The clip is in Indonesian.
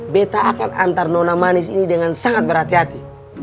beta akan antar nona manis ini dengan sangat berhati hati